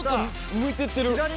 向いてってる。